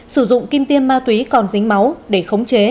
sử dụng kim tiêm ma túy còn dính máu để khống chế